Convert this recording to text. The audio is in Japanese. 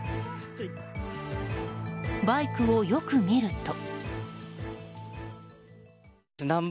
バイクをよく見ると。